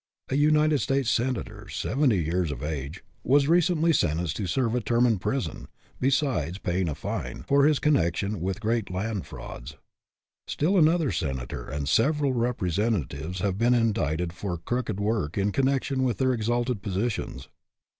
A United States senator, seventy years of age, was recently sentenced to serve a term in prison, besides paying a fine, for his con nection with great land frauds. Still another senator and several representatives have been indicted for crooked work in connection with their exalted positions.